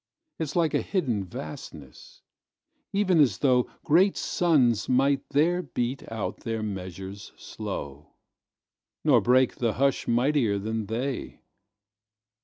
It's like a hidden vastness, even as thoughGreat suns might there beat out their measures slow, Nor break the hush mightier than they.